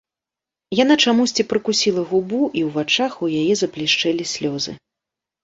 Яна чамусьці прыкусіла губу, і ў вачах у яе заблішчэлі слёзы.